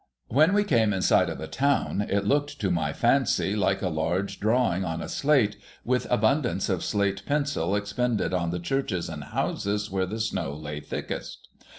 When we came in sight of a town, it looked, to my fancy, like a large drawing on a slate, with abundance of slate pencil expended on the churches and houses where the snow lay thickest.